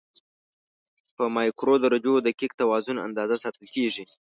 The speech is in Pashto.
په مایکرو درجو د دقیق توازن اندازه ساتل کېږي.